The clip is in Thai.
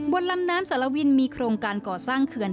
บนลำน้ำสารวินมีโครงการก่อสร้างเขื่อน